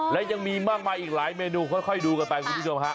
และยังมีมากมายอีกหลายเมนูค่อยดูกันไปคุณผู้ชมฮะ